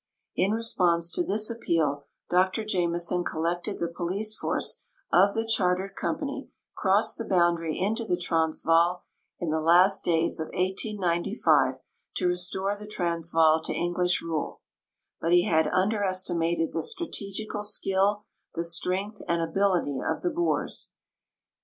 In response to tins appeal Dr Jameson collected the police force of the chartered company, crossed the boundary into the Transvaal in the last days of 1895 to restore the Trans vaal to English rule ; but he had underestimated the strategical skill, the strength, and ability of tbe Boers.